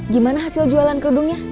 gimana hasil jualan kerdungnya